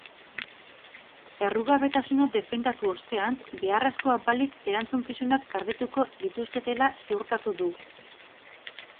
Errugabetasuna defendatu ostean, beharrezkoa balitz erantzukizunak garbituko lituzketela ziurtatu du.